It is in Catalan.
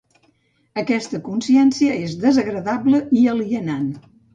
Aquesta consciència és desagradable i alienant.